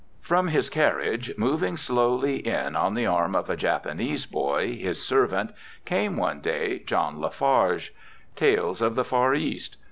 From his carriage, moving slowly in on the arm of a Japanese boy, his servant, came one day John La Farge. Tales of the Far East.